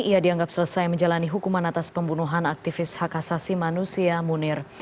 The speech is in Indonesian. ia dianggap selesai menjalani hukuman atas pembunuhan aktivis hak asasi manusia munir